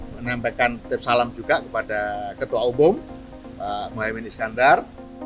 menyampaikan tips salam juga kepada ketua umum pak muhaymin iskandar